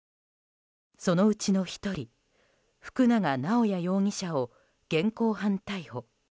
そのうちの１人福永直也容疑者を現行犯逮捕。